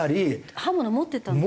刃物持ってたんですよね？